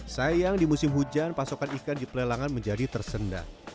sayang di musim hujan pasokan ikan di pelelangan menjadi tersendat